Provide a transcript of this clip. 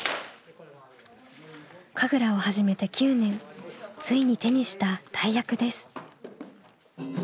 神楽を始めて９年ついに手にした大役です。